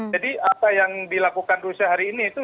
jadi apa yang dilakukan rusia hari ini itu